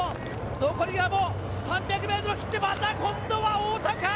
残りはもう３００メートル切って、また今度は太田か。